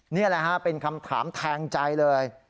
นี่แหละฮะเป็นคำถามแทงใจเลย